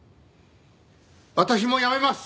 私も辞めます！